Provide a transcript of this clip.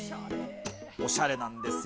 おしゃれなんですよ。